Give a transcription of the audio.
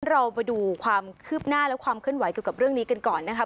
เรามาดูความคืบหน้าและความเคลื่อนไหวเกี่ยวกับเรื่องนี้กันก่อนนะครับ